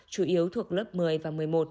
chủ yếu thuộc lớp một mươi và một mươi một